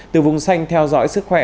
từ vùng xanh theo dõi sức khỏe